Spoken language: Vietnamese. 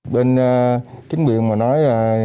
bệnh chính biện mà nói là